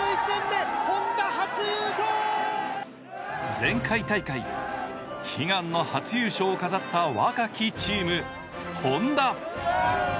前回大会、悲願の初優勝を飾った若きチーム・Ｈｏｎｄａ。